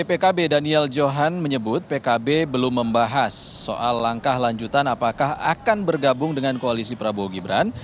pkb daniel johan menyebut pkb belum membahas soal langkah lanjutan apakah akan bergabung dengan koalisi prabowo gibran